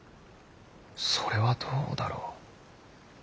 それはどうだろう。